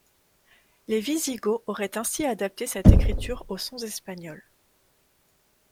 Les Wisigoths auraient ainsi adapté cette écriture aux sons espagnols.